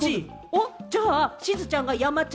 じゃあ、しずちゃんが山ちゃ